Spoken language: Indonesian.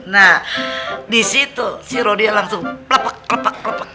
nah disitu si rodia langsung plepek plepek plepek